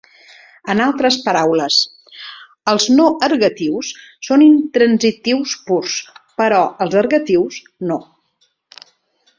En altres paraules, els no ergatius són intransitius purs, però els ergatius no.